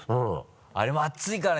あれも熱いからね